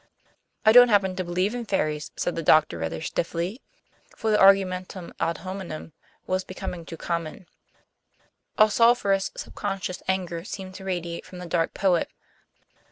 "I don't happen to believe in fairies," said the doctor rather stiffly, for the argumentum ad hominem was becoming too common. A sulphurous subconscious anger seemed to radiate from the dark poet.